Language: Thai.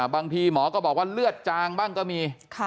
บางทีหมอก็บอกว่าเลือดจางบ้างก็มี